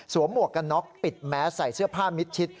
หมวกกันน็อกปิดแมสใส่เสื้อผ้ามิดชิด